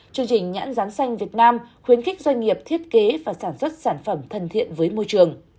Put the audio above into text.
chương trình nhãn rán xanh việt nam khuyến khích doanh nghiệp thiết kế và sản xuất sản phẩm thân thiện với môi trường